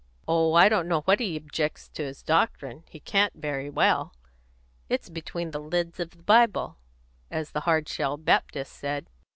"Oh, I don't know that he objects to his doctrine; he can't very well; it's 'between the leds of the Bible,' as the Hard shell Baptist said.